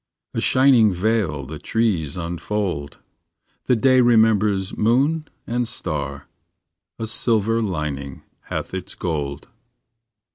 A shining veil the trees infold; The day remembers moon and star; A silver lining hath its gold.